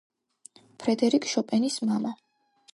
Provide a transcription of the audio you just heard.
ფრედერიკ შოპენის მამა.